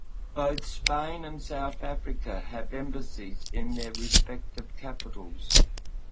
Both Spain and South Africa have embassies in their respective capitals.